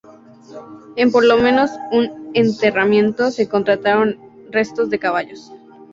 En por lo menos un enterramiento se encontraron restos de caballos.